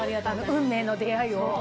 運命の出会いを。